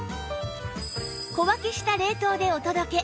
小分けした冷凍でお届け